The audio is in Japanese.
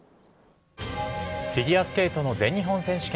フィギュアスケートの全日本選手権。